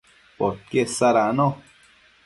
podquied sadacno